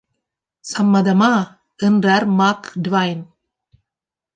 சம்மதமா? என்றார் Mark Dwayne.